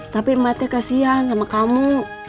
tapi emahnya kesian sama kamu